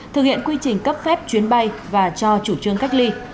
thực hiện quy trình cấp phép chuyến bay và cho chủ trương cách ly